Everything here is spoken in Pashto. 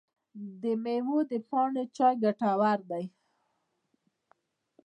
د میوو د پاڼو چای ګټور دی؟